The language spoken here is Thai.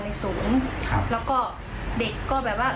เขาก็วิ่งออกไปเลยเขาแบบรอไม่ทัน